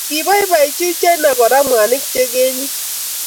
kiboibochi Uchina kora mwanik che kenyit.